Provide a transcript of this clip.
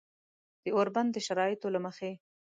د اوربند د شرایطو له مخې